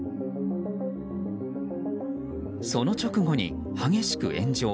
その直後に、激しく炎上。